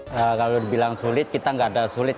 kalau dibilang sulit kita nggak ada sulit